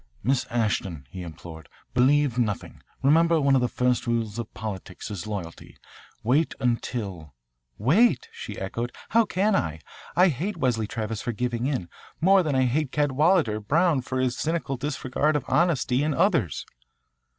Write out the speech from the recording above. "Miss Ashton," he implored, "believe nothing. Remember one of the first rules of politics is loyalty. Wait until " "Wait?" she echoed. "How can I? I hate Wesley Travis for giving in more than I hate Cadwalader Brown for his cynical disregard of honesty in others."